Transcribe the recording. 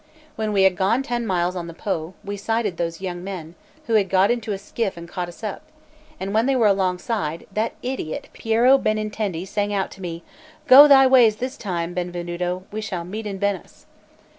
When we had gone ten miles on the Po, we sighted those young men, who had got into a skiff and caught us up; and when they were alongside, that idiot Piero Benintendi sang out to me: "Go thy ways this time, Benvenuto; we shall meet in Venice."